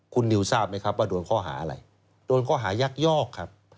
คุณนิวทราบไหมครับว่าโดนข้อหาอะไรโดนข้อหายักยอกครับ